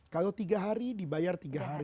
kalau tiga hari dibayar tiga bulan puasa